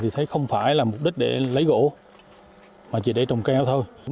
thì thấy không phải là mục đích để lấy gỗ mà chỉ để trồng keo thôi